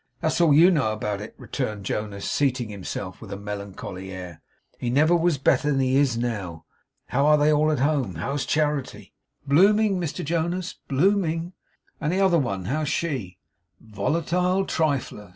'That's all you know about it,' returned Jonas, seating himself with a melancholy air. 'He never was better than he is now. How are they all at home? How's Charity?' 'Blooming, Mr Jonas, blooming.' 'And the other one; how's she?' 'Volatile trifler!